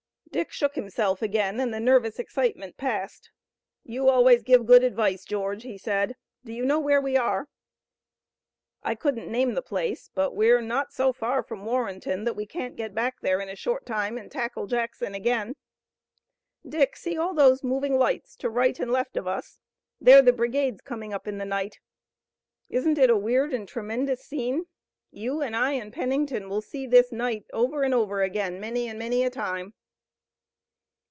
Dick shook himself again, and the nervous excitement passed. "You always give good advice, George," he said. "Do you know where we are?" "I couldn't name the place, but we're not so far from Warrenton that we can't get back there in a short time and tackle Jackson again. Dick, see all those moving lights to right and left of us. They're the brigades coming up in the night. Isn't it a weird and tremendous scene? You and I and Pennington will see this night over and over again, many and many a time."